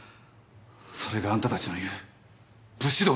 それがあんたたちの言う武士道ですか？